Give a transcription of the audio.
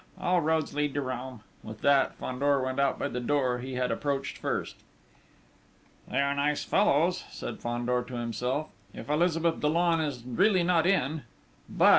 All roads lead to Rome!" With that, Fandor went out by the door he had approached first.... "They are nice fellows," said Fandor to himself. "If Elizabeth Dollon is really not in!... but...